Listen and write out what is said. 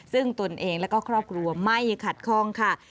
ซึ่งตนเองแล้วก็ครอบครัวไม่ขัดข้องค่ะ